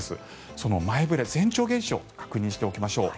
その前触れ、前兆現象を確認しておきましょう。